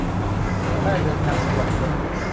จะได้เดินทางสะดวกขึ้น